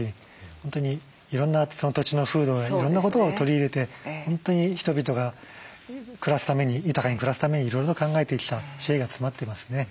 本当にいろんな土地の風土やいろんなことを取り入れて本当に人々が豊かに暮らすためにいろいろと考えてきた知恵が詰まっていますね。